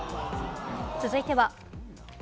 続いては。